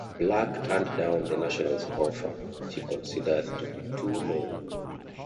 Black turned down the Nationals offer, which he considered to be too low.